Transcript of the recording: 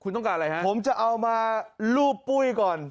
คุณต้องการอะไรฮะผมจะเอามารูปปุ้ยก่อน